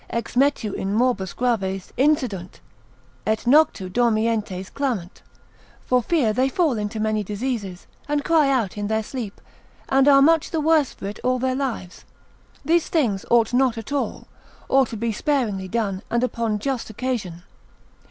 ex metu in morbos graves incidunt et noctu dormientes clamant, for fear they fall into many diseases, and cry out in their sleep, and are much the worse for it all their lives: these things ought not at all, or to be sparingly done, and upon just occasion.